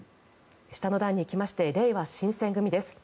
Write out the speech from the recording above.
下の段に行きましてれいわ新選組です。